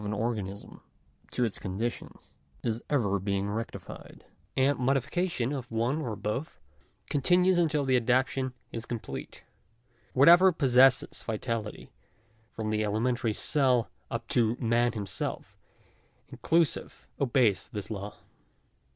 an organism to its conditions is ever being rectified ; and modi fication of one or both, continues until the adaptation is com plete. Whatever possesses vitality, from the elementary cell up to man himself, inclusive, obeys this law.